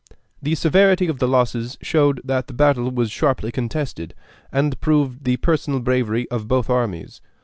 The severity of the losses showed that the battle was sharply contested, and proved the personal bravery of both armies.